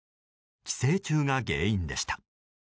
寄生虫が原因でした。